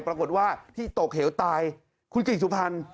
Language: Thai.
ปรากฏว่าที่ตกเหวตายคุณเก่งสุพรรณ